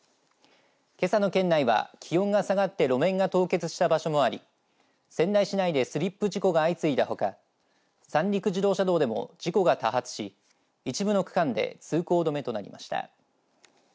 けさの県内は気温が下がって路面が凍結した場所もあり仙台市内でスリップ事故が相次いだほか三陸自動車道でも事故が多発し一部の区間で通行止めとなりました。